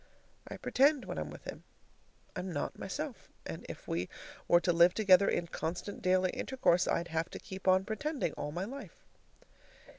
I pretend when I am with him. I am not myself, and if we were to live together in constant daily intercourse, I'd have to keep on pretending all my life.